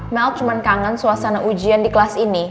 mel cuma kangen suasana ujian di kelas ini